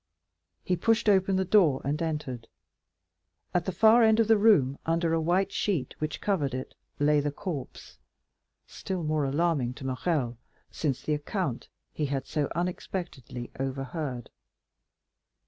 He pushed the door open and entered. At the other end of the room, under a white sheet which covered it, lay the corpse, still more alarming to Morrel since the account he had so unexpectedly overheard.